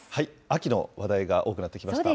秋の話題が多くなってきました。